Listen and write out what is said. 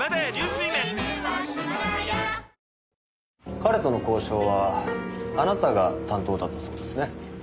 彼との交渉はあなたが担当だったそうですね？